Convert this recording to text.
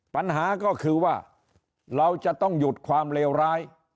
ปัญหาก็คือว่าเราจะต้องหยุดความเลวร้าย